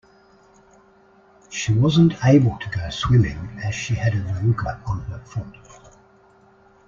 She wasn't able to go swimming as she had a verruca on her foot